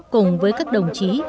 cùng với các đồng chí